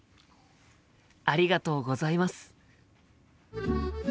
ありがとうございます。